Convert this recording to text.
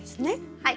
はい。